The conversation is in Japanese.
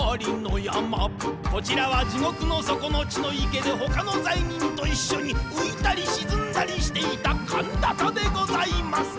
「こちらは地獄の底の血の池で、ほかの罪人と一緒に、浮いたり沈んだりしていたカンダタでございます」。